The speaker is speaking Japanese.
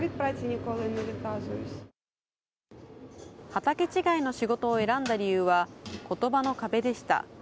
畑違いの仕事を選んだ理由は、ことばの壁でした。